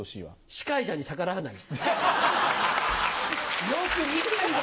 「司会者に逆らわない」。